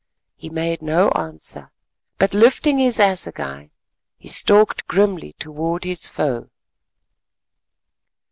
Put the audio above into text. He made no answer, but lifting his assegai he stalked grimly toward his foe.